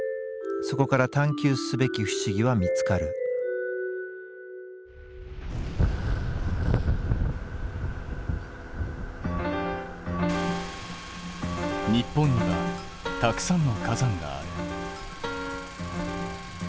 そこから探究すべき不思議は見つかる日本にはたくさんの火山がある。